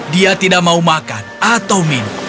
dia tidak mau makan atau minum